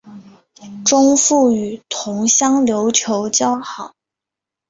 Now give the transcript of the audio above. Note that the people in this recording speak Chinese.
钟复与同乡刘球交好。